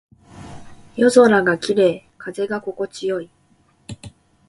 夜空が綺麗。風が心地よい。